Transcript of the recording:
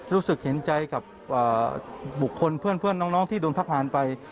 รู้สึกเห็นใจกับบุคคลเพื่อนน้องที่โดนพักผ่านไป